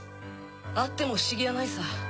あっても不思議はないさ。